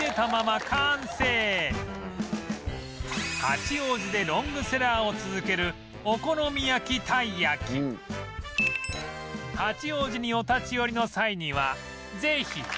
八王子でロングセラーを続ける八王子にお立ち寄りの際にはぜひ！